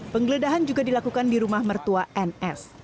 penggeledahan juga dilakukan di rumah mertua n s